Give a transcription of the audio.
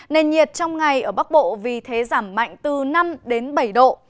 nền nhiệt trong ngày ở bắc bộ vì thế giảm mạnh từ năm đến bảy độ